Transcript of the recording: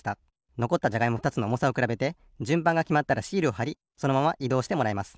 のこったじゃがいもふたつのおもさをくらべてじゅんばんがきまったらシールをはりそのままいどうしてもらいます。